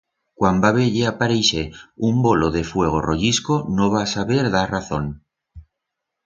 Cuan va veyer apareixer un bolo de fuego royisco no va saber dar razón.